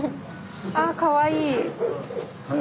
あかわいい。